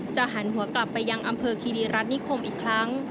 หันหัวกลับไปยังอำเภอคีรีรัฐนิคมอีกครั้ง